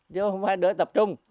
chứ không ai đỡ tập trung